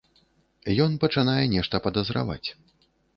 Ён пачынае нешта падазраваць.